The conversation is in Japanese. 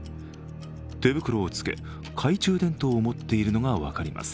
手袋を着け、懐中電灯を持っているのが分かります。